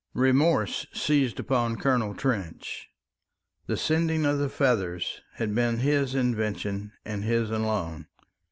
Remorse seized upon Colonel Trench. The sending of the feathers had been his invention and his alone.